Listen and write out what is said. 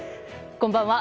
こんばんは。